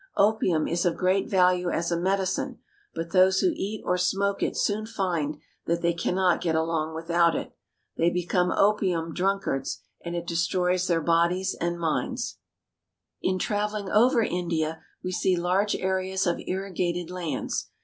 Opium is of great value as a medi cine ; but those who eat or smoke it soon find that they cannot get along without it. They become opium drunk ards, and it destroys their bodies and minds. 268 AMONG THE INDIAN FARMERS In traveling over India, we see large areas of irrigated lands.